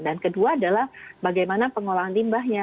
dan kedua adalah bagaimana pengolahan